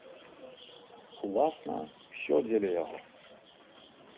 Уласна, усё дзеля яго.